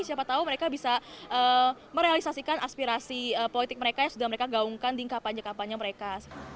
siapa tahu mereka bisa merealisasikan aspirasi politik mereka yang sudah mereka gaungkan di kampanye kampanye mereka